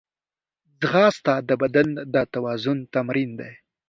ځغاسته د بدن د توازن تمرین دی